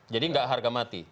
jadi enggak harga mati